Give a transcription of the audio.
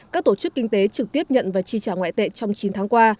các tổ chức kinh tế trực tiếp nhận và chi trả ngoại tệ trong chín tháng qua